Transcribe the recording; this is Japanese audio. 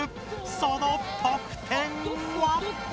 その得点は？